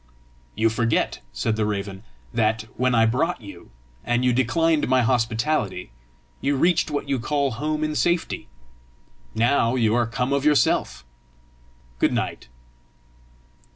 "You forget," said the raven, "that, when I brought you and you declined my hospitality, you reached what you call home in safety: now you are come of yourself! Good night."